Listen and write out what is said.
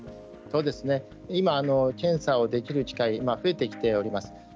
今、検査をできる機会が増えてきております。